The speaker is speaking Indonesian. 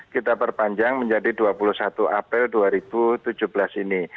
kita perpanjang menjadi dua puluh satu april dua ribu tujuh belas ini